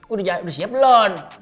udah siap lon